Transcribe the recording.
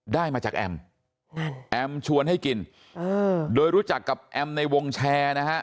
ได้มาจากแอมแอมชวนให้กินโดยรู้จักกับแอมในวงแชร์นะฮะ